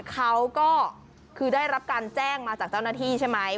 เขาก็คือได้รับการแจ้งมาจากเจ้าหน้าที่ใช่ไหม